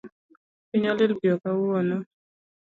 Piny olil piyo kawuono